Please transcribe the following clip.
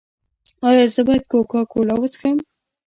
ایا زه باید کوکا کولا وڅښم؟